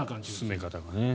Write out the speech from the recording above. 進め方がね。